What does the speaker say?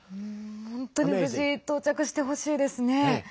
本当に無事到着してほしいですね。